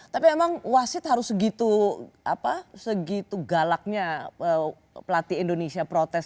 tapi emang wasit harus segitu galaknya pelatih indonesia protes